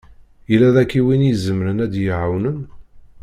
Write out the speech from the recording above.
Yella daki win i izemren ad yi-d-iɛawen?